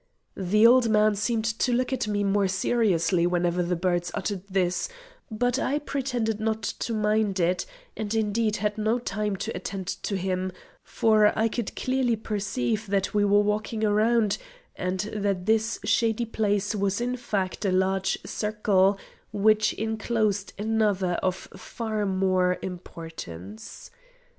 The old man seemed to look at me more seriously whenever the birds uttered this, but I pretended not to mind it, and indeed had no time to attend to him, for I could clearly perceive that we were walking round and that this shady place was in fact a large circle, which inclosed another of far more importance.